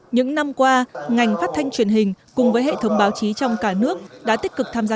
những năm qua ngành phát thanh truyền hình cùng với hệ thống báo chí trong cả nước đã tích cực tham gia